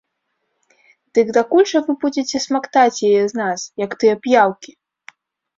Дык дакуль жа вы будзеце смактаць яе з нас, як тыя п'яўкі!